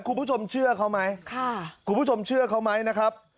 คุณผู้ชมเชื่อเขาไหมค่ะคุณผู้ชมเชื่อเขาไหมนะครับ